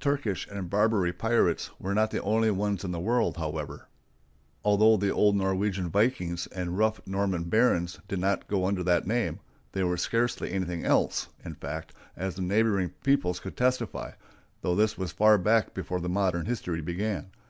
Turkish and Barbary pirates were not the only ones in the world, however. Although the old Norwegian vikings and rough Norman barons did not go under that name, they were scarcely anything else, in fact, as the neighboring peoples could testify, though this was far back before modern history began.